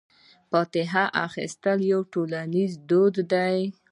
فاتحه اخیستل یو ټولنیز دود دی.